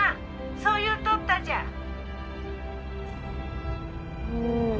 ☎そう言うとったじゃうん